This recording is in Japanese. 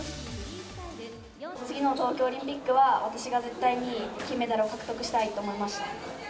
次の東京オリンピックは、私が絶対に金メダルを獲得したいと思いました。